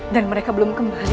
dan mereka belum kembali